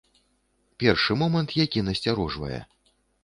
Першы момант, які насцярожвае.